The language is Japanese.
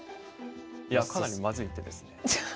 いやかなりまずい手ですね。